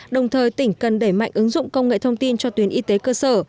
đồng thời tỉnh cần đẩy mạnh ứng dụng công nghệ thông tin cho tuyến y tế cơ sở